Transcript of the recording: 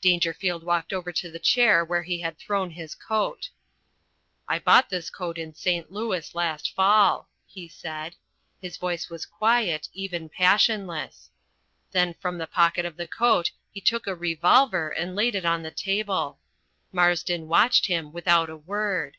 Dangerfield walked over to the chair where he had thrown his coat. "I bought this coat in St. Louis last fall," he said. His voice was quiet, even passionless. Then from the pocket of the coat he took a revolver and laid it on the table. Marsden watched him without a word.